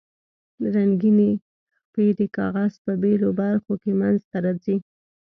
رنګینې خپې د کاغذ په بیلو برخو کې منځ ته راځي.